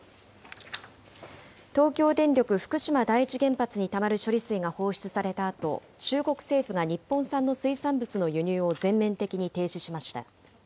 東京電力福島第一原発にたまる処理水が放出されたあと、中国政府が日本産の水産物の輸入を全面的に停止しました。